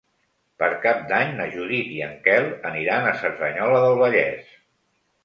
Per Cap d'Any na Judit i en Quel aniran a Cerdanyola del Vallès.